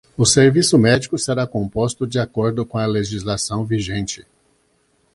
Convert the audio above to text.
O serviço médico será composto de acordo com a legislação vigente.